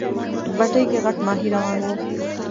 بتۍ کې غټ ماهی روان و.